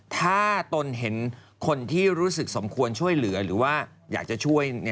ถ้าตนเห็นคนที่รู้สึกสมควรช่วยเหลือหรือว่าอยากจะช่วย